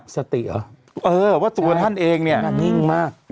สติเหรอเออว่าตัวท่านเองเนี่ยนิ่งมาก